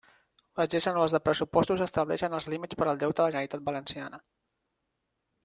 Les lleis anuals de pressupostos estableixen els límits per al deute de la Generalitat Valenciana.